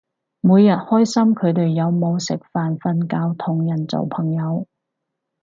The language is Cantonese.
每日關心佢哋有冇食飯瞓覺同人做朋友